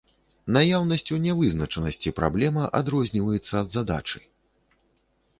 Наяўнасцю нявызначанасці праблема адрозніваецца ад задачы.